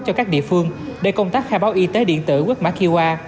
cho các địa phương để công tác khai báo y tế điện tử quét mã qr